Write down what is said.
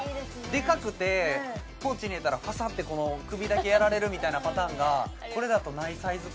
デカくてポーチに入れたらパサッて首だけやられるみたいなパターンがこれだとないサイズ感